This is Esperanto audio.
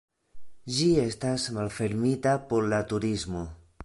Ĝi estas malfermita por la turismo.